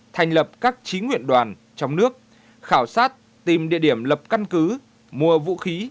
thành lập các trí nguyện đoàn trong nước khảo sát tìm địa điểm lập căn cứ mua vũ khí